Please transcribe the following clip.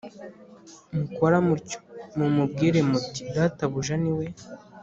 mukora mutyo mumubwire muti Databuja ni we